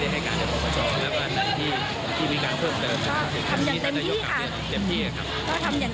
ไต่สวนกันจานเรือนในศาลต้นเรือนในศาลใช่ไหมคะค่ะใช่ค่ะใช่ค่ะ